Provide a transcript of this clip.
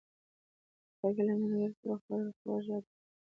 خټکی له ملګرو سره خوړل خوږ یاد جوړوي.